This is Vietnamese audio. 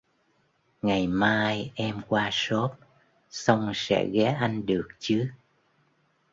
Ngày mai em qua Shop xong sẽ ghé anh được chứ